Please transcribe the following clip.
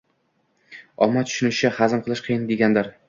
omma tushunishi, “hazm” qilish qiyin, deganidir.